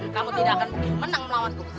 kamu tidak akan menang melawanku